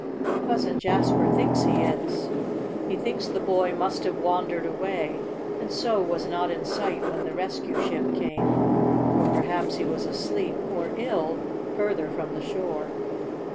Cousin Jasper thinks he is. He thinks the boy must have wandered away and so was not in sight when the rescue ship came, or perhaps he was asleep or ill further from the shore.